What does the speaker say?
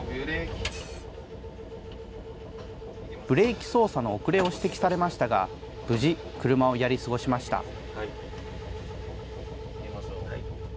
ブレーキ操作の遅れを指摘されましたが、無事、車をやり過ごしました。